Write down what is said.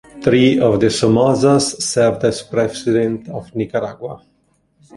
Three of the Somozas served as President of Nicaragua.